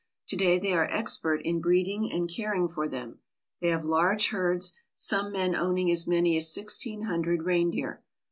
To day they are expert in breeding and caring for them. They have large herds, some men owning as many as sixteen hundred reindeer.